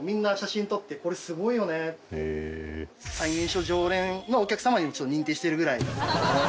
最年少常連のお客様に認定してるぐらい。